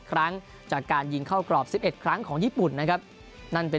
ครั้งจากการยิงเข้ากรอบ๑๑ครั้งของญี่ปุ่นนะครับนั่นเป็น